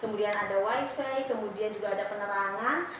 kemudian ada wifi kemudian juga ada penerangan